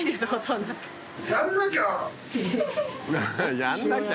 「やんなきゃ！」